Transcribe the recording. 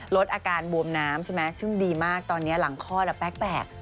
ลดอาการบวมน้ำใช่ไหมซึ่งดีมากตอนนี้หลังคลอดแล้วแปลก